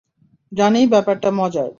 জানি, ব্যাপারটা মজার।